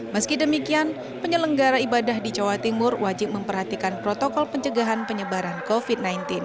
meski demikian penyelenggara ibadah di jawa timur wajib memperhatikan protokol pencegahan penyebaran covid sembilan belas